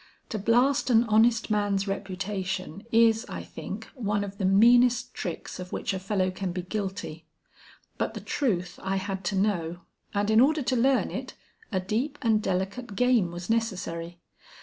To blast an honest man's reputation, is, I think, one of the meanest tricks of which a fellow can be guilty: but the truth I had to know, and in order to learn it, a deep and delicate game was necessary.